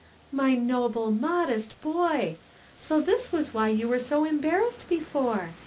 "My noble, modest boy! So this was why you were so embarrassed before!